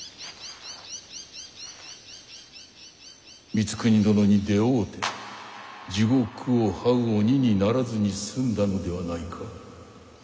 光圀殿に出会うて地獄をはう鬼にならずに済んだのではないか？